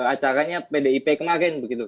acaranya pdip kemarin begitu